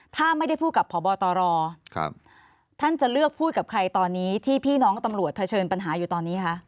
ถ้าไม่ได้พูดกับพบตรท่านจะเลือกพูดกับใครตอนนี้ที่พี่น้องตำรวจเผชิญปัญหาอยู่ตอนนี้คะ